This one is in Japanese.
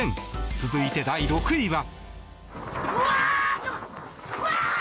続いて、第６位は。